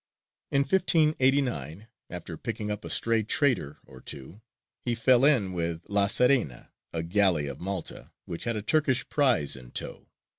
In 1589, after picking up a stray trader or two, he fell in with La Serena, a galley of Malta, which had a Turkish prize in tow.